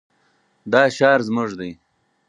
دا ښار زموږ دی.